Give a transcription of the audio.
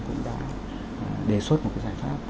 cũng đã đề xuất một cái giải pháp